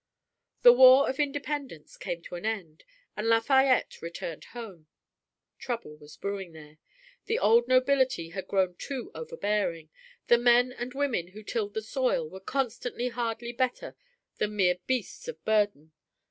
The War of Independence came to an end, and Lafayette returned home. Trouble was brewing there. The old nobility had grown too overbearing; the men and women who tilled the soil were considered hardly better than mere beasts of burden.